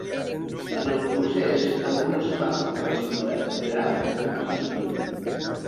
En el procés, algunes parts de la ciutat d"Herat es van destruir.